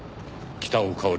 「北尾佳織」